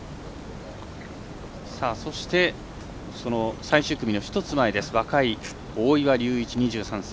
そして、最終組の１つ前若い大岩龍一、２３歳。